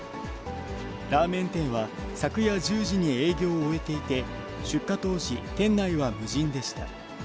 ラーメン店は昨夜１０時に営業を終えていて、出火当時、店内は無人でした。